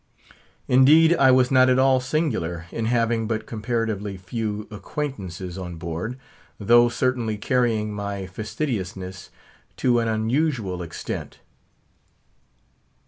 Indeed, I was not at all singular in having but comparatively few acquaintances on board, though certainly carrying my fastidiousness to an unusual extent.